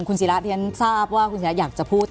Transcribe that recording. คุณศิราที่ฉันทราบว่าคุณศิราอยากจะพูด